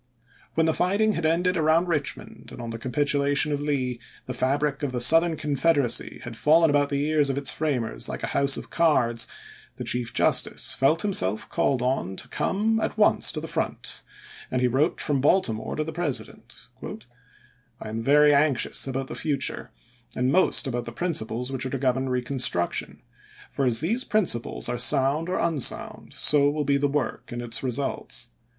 When the fighting had ended around Eichmond, and on the capitulation of Lee the fabric of the Southern Confederacy had fallen about the ears of its framers like a house of cards, the Chief Justice felt himself called on to come at once to the front, and he wrote from Baltimore to the President :" I CHASE AS CHIEF JUSTICE 397 am very anxious about the future, and most about ch. xvil the principles which are to govern reconstruction, for as these principles are sound or unsound so will be the work and its results.